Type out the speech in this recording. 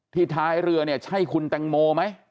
ท้ายเรือเนี่ยใช่คุณแตงโมไหม